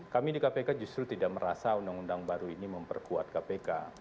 kami di kpk justru tidak merasa undang undang baru ini memperkuat kpk